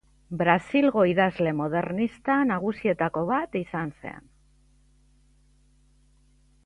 Brasilgo idazle modernista nagusietako bat izan zen.